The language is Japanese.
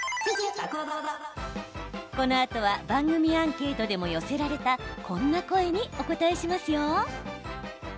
このあとは番組アンケートでも寄せられたこんな声にお応えしますよ。